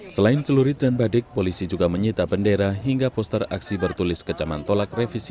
selain celurit dan badik polisi juga menyita bendera hingga poster aksi bertulis kecaman tolak revisi